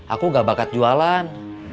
aku gak bakat jualan